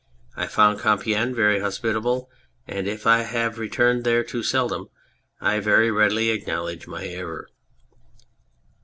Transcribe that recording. I found Compiegne very hospitable, and if I have returned there too seldom I very readily acknowledge my error.